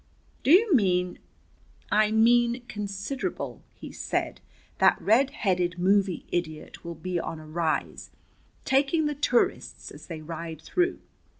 "Do you mean " "I mean considerable," he said. "That red headed movie idiot will be on a rise, taking the tourists as they ride through.